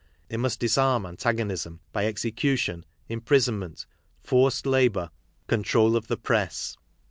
It must disarm antagon ism by execution, imprisonment, forced labour, control of the press.